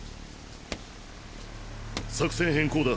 作戦変更だ。